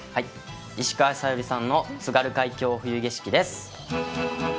石川さゆりさんの「津軽海峡・雪景色」です。